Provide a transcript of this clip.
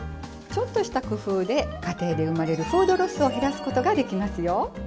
ちょっとした工夫で家庭で生まれるフードロスを減らすことができますよ。